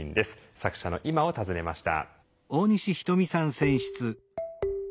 作者の今を訪ねました。